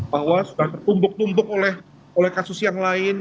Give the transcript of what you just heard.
bahwa sudah tertumbuk tumpuk oleh kasus yang lain